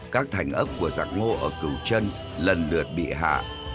các thành ấp của giặc ngô ở cửu trân lần lượt bị hạ